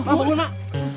ma bangun mak